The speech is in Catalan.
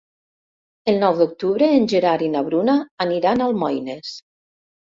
El nou d'octubre en Gerard i na Bruna aniran a Almoines.